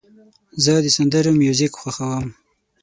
زه د سندرو میوزیک خوښوم.